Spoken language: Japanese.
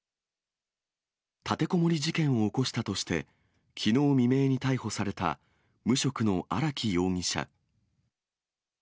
立てこもり事件を起こしたとして、きのう未明に逮捕された無職の荒木容疑者。